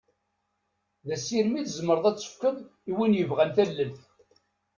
D asirem i tzemreḍ ad tefkeḍ i win yebɣan tallelt.